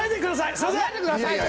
すいません！